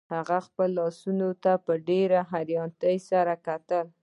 هغه خپلو لاسونو ته په ډیره حیرانتیا سره کتل